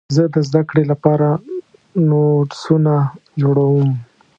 زه د زدهکړې لپاره نوټسونه جوړوم.